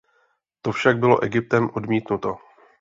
To však bylo Egyptem odmítnuto.